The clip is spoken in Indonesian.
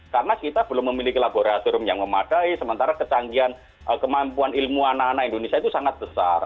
karena kita belum memiliki laboratorium yang memadai sementara kecanggihan kemampuan ilmu anak anak indonesia itu sangat besar